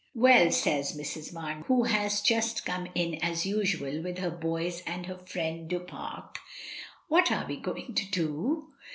"Well," says Mrs. Mamey, who has just come in as usual with her boys and her friend Du Pare, "what are we going to do?"